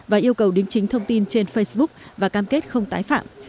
và yêu cầu đính chính thông tin trên facebook và cam kết không tái phạm